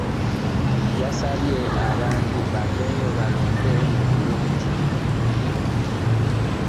Yasabye abantu okuvaayo balonde mu bungi